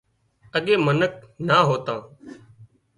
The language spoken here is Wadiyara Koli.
اڳي منک نا آوتان